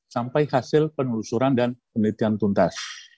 sampai hasil penelusuran dan penelitian tuntas